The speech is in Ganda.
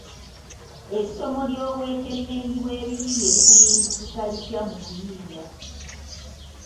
Essomo ly’obwekenneenyi bw’ebiyiiye likuyinzisisa litya mu buyiiya?